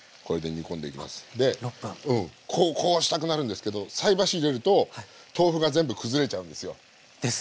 でこうしたくなるんですけど菜箸入れると豆腐が全部崩れちゃうんですよ。ですね。